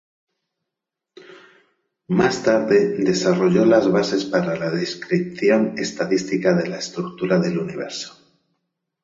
Más tarde desarrolló las bases para la descripción estadística de la estructura del universo.